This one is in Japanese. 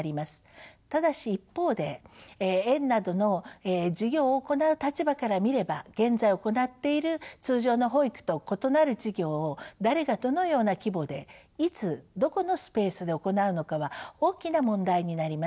ただし一方で園などの事業を行う立場から見れば現在行っている通常の保育と異なる事業を誰がどのような規模でいつどこのスペースで行うのかは大きな問題になります。